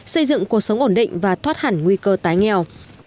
xây dựng cuộc sống ổn định và thoát hẳn nguy cơ tái nghèo